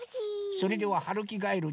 それでははるきがえるどうぞ。